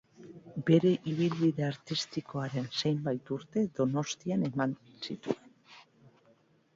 Bere ibilbide artistikoaren zenbait urte Donostian eman zituen.